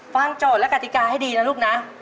โจทย์และกติกาให้ดีนะลูกนะ